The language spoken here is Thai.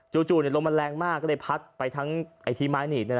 ลมมันแรงมากก็เลยพัดไปทั้งที่ไม้หนีบ